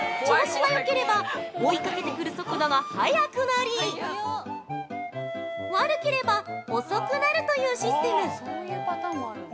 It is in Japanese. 調子がよければ、追いかけてくる速度が速くなり、悪ければ遅くなるというシステム。